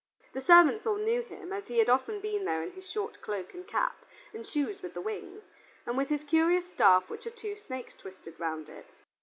The servants all knew him, as he had often been there in his short cloak, and cap, and shoes with the wings, and with his curious staff which had two snakes twisted round it.